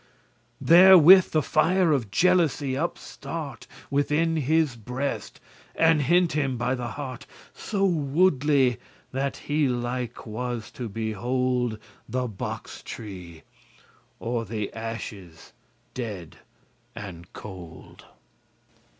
Therewith the fire of jealousy upstart Within his breast, and hent* him by the heart *seized So woodly*, that he like was to behold *madly The box tree, or the ashes dead and cold.